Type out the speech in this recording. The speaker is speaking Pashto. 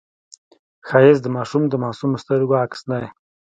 ښایست د ماشوم د معصومو سترګو عکس دی